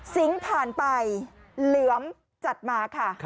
สิงค์ผ่านไปเหลือมจัดมาค่ะ